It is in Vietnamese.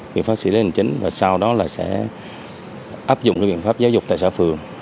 biện pháp xử lý hình chính và sau đó là sẽ áp dụng cái biện pháp giáo dục tại xã phường